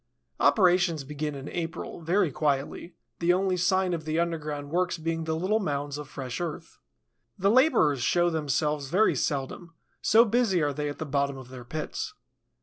Operations begin in April, very quietly, the only sign of the underground works being the little mounds of fresh earth. The laborers show themselves very seldom, so busy are they at the bottom of their pits.